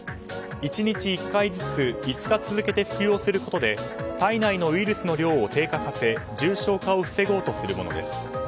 １日１回ずつ５日続けて服用することで体内のウイルスの量を低下させ重症化を防ごうとするものです。